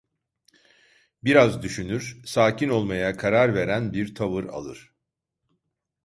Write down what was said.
Biraz düşünür, sakin olmaya karar veren bir tavır alır.